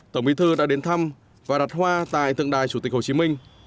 tổng bí thư đã đến thăm và đặt hoa tại tượng đài chủ tịch hồ chí minh